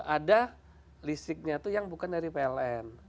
ada listriknya itu yang bukan dari pln